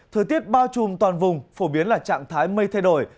thời tiết bao trùm toàn vùng phổ biến là trạng thái mây thay đổi